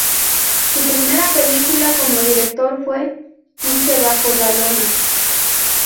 Su primera película como director fue "Quince bajo la lona".